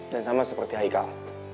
dan sama seperti haikal